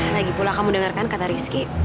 lagipula kamu dengerkan kata rizky